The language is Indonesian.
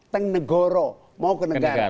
teng negoro mau ke negara